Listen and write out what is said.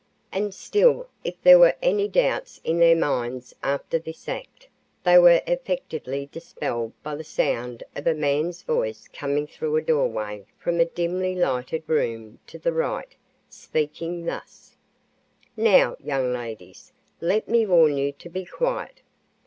And still if there were any doubts in their minds after this act, they were effectively dispelled by the sound of a man's voice coming through a doorway from a dimly lighted room to the right, speaking thus: "Now, young ladies, let me warn you to be quiet.